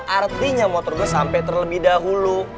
artinya motor gua sampe terlebih dahulu